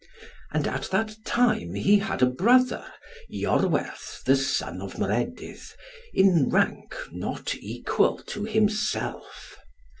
And at that time he had a brother, Iorwerth the son of Maredudd, in rank not equal to himself.